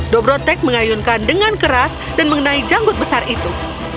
dobrotek mengayunkan dengan keras dan mengenai janggut besar itu